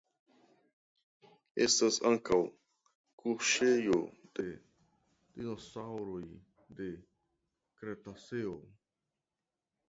Estas ankaŭ kuŝejo de dinosaŭroj de Kretaceo.